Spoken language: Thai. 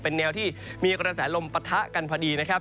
เป็นแนวที่มีกระแสลมปะทะกันพอดีนะครับ